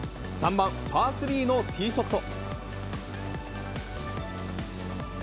３番、パー３のティーショット。